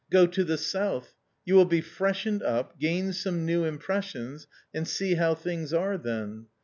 Go to the South : you will be freshened up, gain some new impressions, and see how things are then.